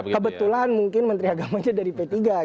kebetulan mungkin menteri agamanya dari p tiga